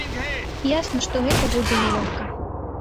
Ясна, што гэта будзе нялёгка.